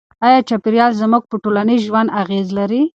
آیا چاپیریال زموږ په ټولنیز ژوند اغېز لري؟